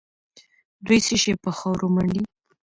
دوی څه شي په خاورو منډي؟